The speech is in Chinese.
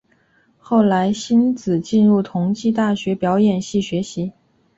后来馨子进入同济大学表演系学习。